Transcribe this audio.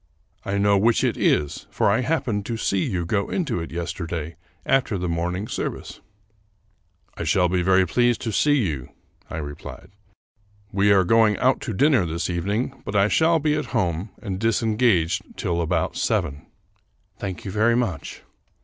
I know which it is, for I happened to see you go into it yesterday after the morning service." " I shall be very pleased to see you," I replied. " We are going out to dinner this evening, but I shall be at home and disengaged till about seven." 300 The Minor Canon "Thank you very much.